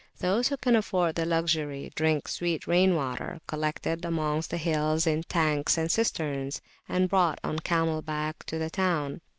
Those who can afford the luxury drink sweet rain water, collected amongst the hills in tanks and cisterns, and brought on camelback to the town.